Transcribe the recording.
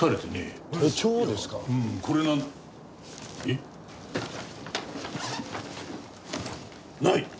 えっ？ない！